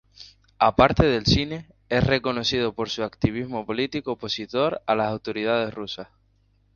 Aparte del cine, es reconocido por su activismo político opositor a las autoridades rusas.